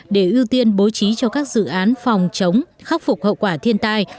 để ưu tiên bố trí cho các dự án phòng chống khắc phục hậu quả thiên tai